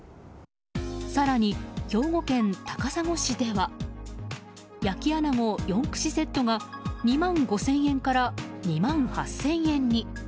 更に、兵庫県高砂市では焼きあなご４串セットが２万５０００円から２万８０００円に。